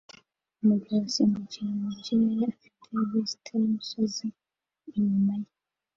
Umugabo usimbukira mu kirere afite vista y'umusozi inyuma ye